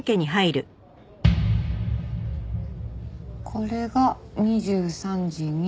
これが２３時２分。